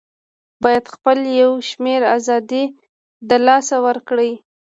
بايد خپل يو شمېر آزادۍ د لاسه ورکړي